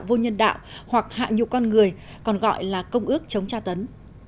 vô nhân đạo hoặc hạ nhục con người còn gọi là công ước chống tra tấn